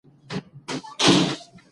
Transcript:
احمدشاه بابا د خپلواکی لپاره قرباني ورکړې.